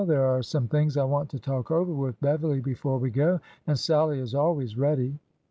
There are some things I want to talk over with Beverly before we go, and Sallie is always ready."